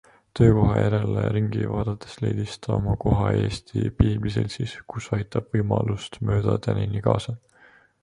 Töökoha järele ringi vaadates leidis ta oma koha Eesti Piibliseltsis, kus aitab võimalust mööda tänini kaasa.